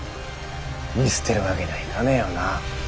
見捨てるわけにはいかねえよな？